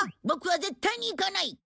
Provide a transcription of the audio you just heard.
ボクは絶対に行かない。